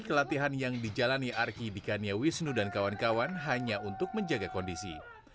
kelatihan yang dijalani arki dikania wisnu dan kawan kawan hanya untuk menjaga kondisi